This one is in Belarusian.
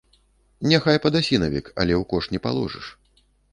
Няхай падасінавік, але ў кош не паложыш.